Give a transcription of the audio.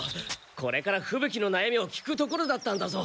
これからふぶ鬼のなやみを聞くところだったんだぞ。